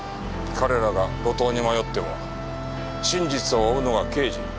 彼らが路頭に迷っても真実を追うのが刑事。